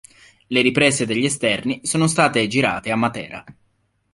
Le riprese degli esterni sono state girate a Matera.